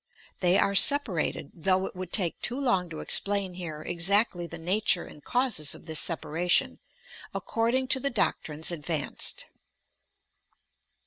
They are sepa rated, though it would take too long to explain here exactly the nature and causes of this separation, ac cording to the doctrines advanced.